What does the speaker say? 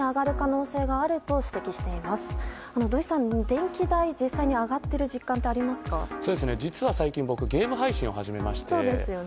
電気代実際に上がっている実は最近僕、ゲーム配信を始めまして。